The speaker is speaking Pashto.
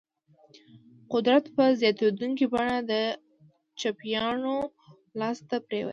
قدرت په زیاتېدونکي بڼه د چپیانو لاس ته پرېوت.